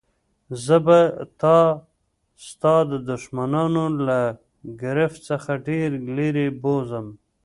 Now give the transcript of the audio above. زه به تا ستا د دښمنانو له ګرفت څخه ډېر لیري بوزم.